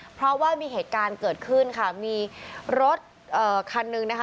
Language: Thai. เพราะว่ามีเหตุการณ์เกิดขึ้นค่ะมีรถเอ่อคันหนึ่งนะคะ